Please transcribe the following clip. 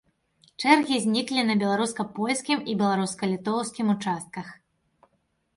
Чэргі зніклі на беларуска-польскім і беларуска-літоўскім участках.